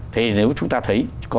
thì nếu chúng ta thấy